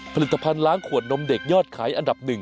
ผลิตภัณฑ์ล้างขวดนมเด็กยอดขายอันดับ๑